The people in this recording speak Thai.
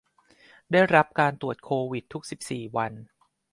ได้รับการตรวจโควิดทุกสิบสี่วัน